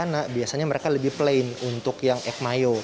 di sana biasanya mereka lebih plain untuk yang ek mayo